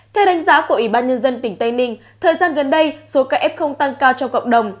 theo đánh giá của ủy ban nhân dân tỉnh tây ninh thời gian gần đây số ca f tăng cao trong cộng đồng